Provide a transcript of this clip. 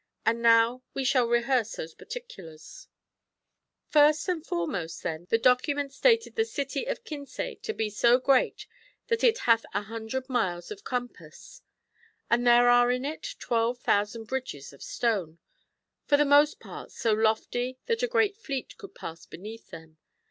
And now we shall rehearse those particulars. The Ever Victorious Army, p. 395. 146 MARCO POLO. Rook II. First and foremost, then, the document stated the city of Kinsay to be so great that it hath an hundred miles of com pass. And there are in it twelve thousand bridges of stone, for the most part so lofty that a great fleet could pass beneath them.